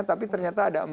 tapi ternyata ada